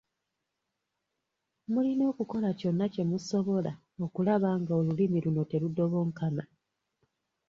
Mulina okukola kyonna kye musobola okulaba nga olulimi luno terudobonkana.